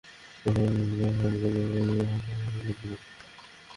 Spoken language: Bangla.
বাংলাদেশের মুদ্রানীতি কঠোর হওয়ায় এখানকার নাগরিকদের জন্য বিদেশে ব্যবসার ক্ষেত্রে জটিলতা রয়েছে।